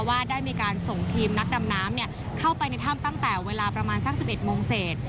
ว่าได้มีการส่งทีมนักดำน้ำเข้าไปในถ้ำตั้งแต่เวลาประมาณสัก๑๑โมงเศษ